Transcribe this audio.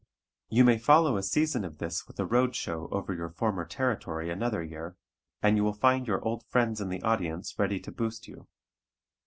You may follow a season of this with a road show over your former territory another year, and you will find your old friends in the audience ready to boost you.